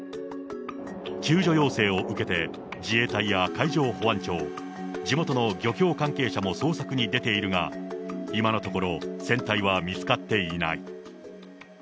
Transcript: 救助要請を受けて、自衛隊や海上保安庁、地元の漁協関係者も捜索に出ているが、今のところ、船体は見つかっていない。